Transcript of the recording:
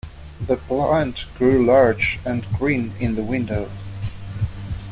The plant grew large and green in the window.